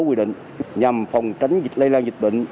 quy định nhằm phòng tránh lây lan dịch bệnh